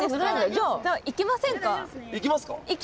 じゃあ行きませんか？